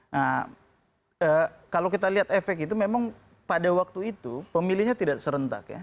nah kalau kita lihat efek itu memang pada waktu itu pemilihnya tidak serentak ya